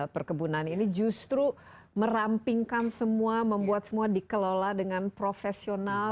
perkebunan ini justru merampingkan semua membuat semua dikelola dengan profesional